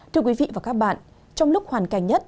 thưa quý vị và các bạn trong lúc hoàn cảnh nhất